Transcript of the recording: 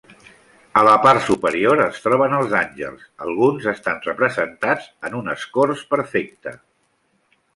A la part superior es troben els àngels; alguns estan representats en un escorç perfecte.